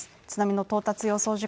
津波の到達予想